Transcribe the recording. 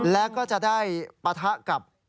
แล้วก็จะได้ปะทะกับ